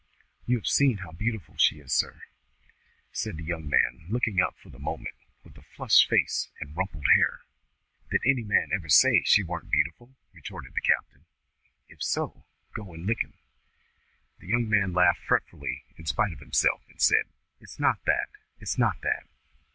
"You have seen how beautiful she is, sir," said the young man, looking up for the moment, with a flushed face and rumpled hair. "Did any man ever say she warn't beautiful?" retorted the captain. "If so, go and lick him." The young man laughed fretfully in spite of himself, and said "It's not that, it's not that."